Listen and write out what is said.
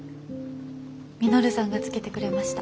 稔さんが付けてくれました。